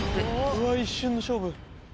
うわ一瞬の勝負。